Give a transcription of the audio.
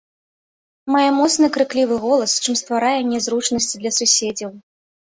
Мае моцны крыклівым голас, чым стварае нязручнасці для суседзяў.